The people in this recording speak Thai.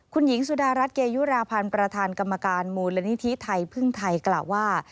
คุณหญิงสุดารัฐเกยุราพันธ์ประธานกรรมการมูลนิธิไทยพึ่งไทยกล่าวว่า